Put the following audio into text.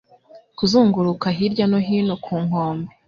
kuzunguruka hirya no hino ku nkombe